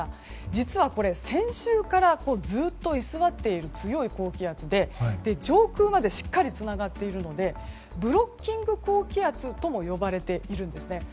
実はこれ先週からずっと居座っている強い高気圧で、上空までしっかりつながっているのでブロッキング高気圧とも呼ばれているんですね。